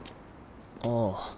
ああ。